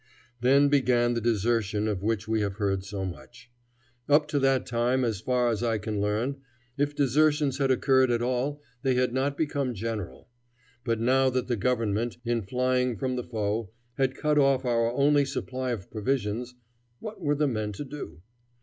Then began the desertion of which we have heard so much. Up to that time, as far as I can learn, if desertions had occurred at all they had not become general; but now that the government, in flying from the foe, had cut off our only supply of provisions, what were the men to do?